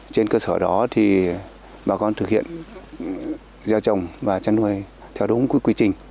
trên cơ sở đó thì bà con thực hiện gieo trồng và chăn nuôi theo đúng quy trình